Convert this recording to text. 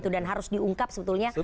dan harus diungkap sebetulnya